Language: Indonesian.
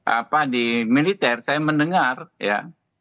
apa di militer saya mendengar ya